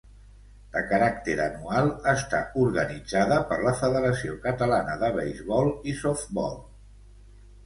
De caràcter anual, està organitzada per la Federació Catalana de Beisbol i Softbol.